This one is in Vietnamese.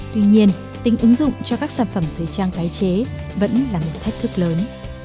tuy nhiên tính ứng dụng cho các sản phẩm thời trang tái chế vẫn là một thách thức lớn